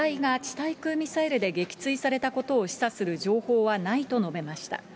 対空ミサイルで撃墜されたことを示唆する情報はないと述べました。